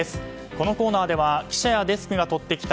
このコーナーでは記者やデスクがとってきた